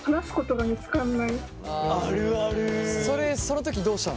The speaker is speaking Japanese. その時どうしたの？